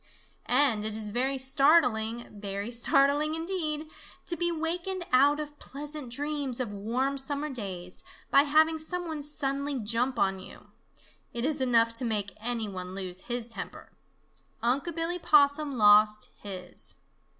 And it is very startling, very startling, indeed, to be wakened out of pleasant dreams of warm summer days by having some one suddenly jump on you. It is enough to make any one lose his temper. Unc' Billy Possum lost his.